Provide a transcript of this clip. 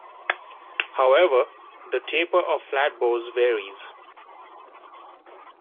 However, the taper of flatbows varies.